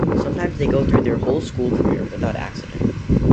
Sometimes they go through their whole school career without accident.